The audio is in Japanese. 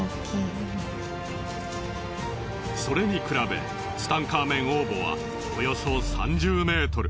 それに比べツタンカーメン王墓はおよそ３０ｍ。